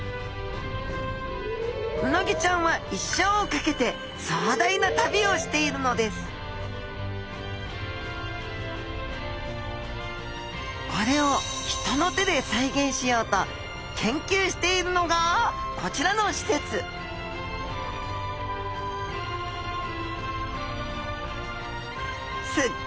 うなぎちゃんは一生をかけて壮大な旅をしているのですこれを人の手で再現しようと研究しているのがこちらの施設すっ